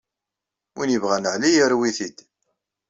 Win yebɣan ɛli yarew-it-id.